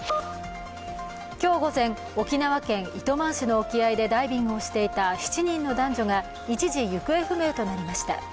今日午前、沖縄県糸満市の沖合でダイビングをしていた７人の男女が一時、行方不明となりました。